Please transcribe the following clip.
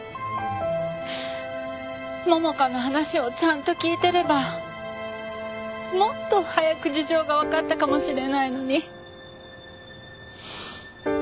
百花の話をちゃんと聞いてればもっと早く事情がわかったかもしれないのに。